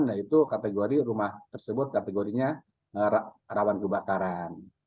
nah itu kategori rumah tersebut kategorinya rawan kebakaran